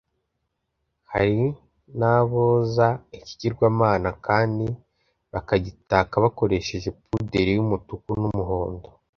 Hari n’aboza ikigirwamana kandi bakagitaka bakoresheje puderi y’umutuku n’umuhondo